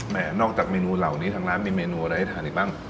นอกจากเมนูเหล่านี้ทางร้านมีเมนูอะไรให้ทานอีกบ้าง